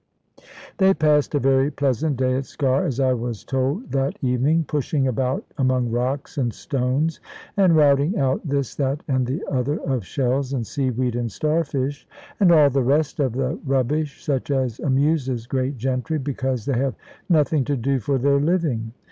They passed a very pleasant day at Sker (as I was told that evening), pushing about among rocks and stones, and routing out this, that, and the other, of shells and sea weed and starfish, and all the rest of the rubbish, such as amuses great gentry, because they have nothing to do for their living.